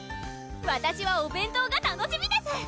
わたしはお弁当が楽しみです